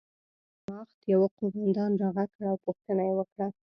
د ویرماخت یوه قومندان را غږ کړ او پوښتنه یې وکړه